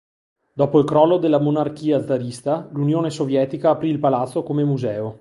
Dopo il crollo della monarchia zarista, l'Unione Sovietica aprì il palazzo come museo.